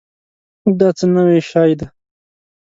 دا څه نوي شی دی؟